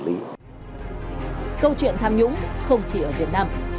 câu chuyện tham nhũ không chỉ ở việt nam